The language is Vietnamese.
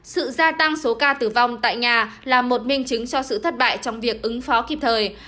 sự gia tăng số ca tử vong tại nhà là một minh chứng cho sự thất bại trong việc ứng phó kịp thời